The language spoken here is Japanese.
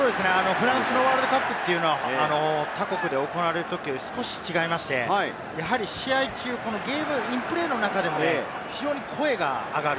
フランスのワールドカップというのは他国で行われるときより少し違いまして、やはり試合中、ゲーム、インプレーの中でも非常に声が上がる。